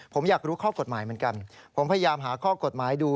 ผมอยากรู้ข้อกฎหมายเหมือนกันผมพยายามหาข้อกฎหมายดู